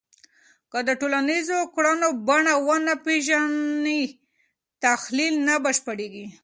که د ټولنیزو کړنو بڼه ونه پېژنې، تحلیل نه بشپړېږي